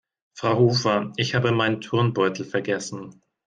Frau Hofer, ich habe meinen Turnbeutel vergessen.